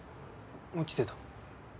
落ちてた。